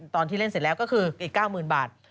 ตอนที่เล่นเสร็จแล้วก็คืออีก๙๐๐๐บาท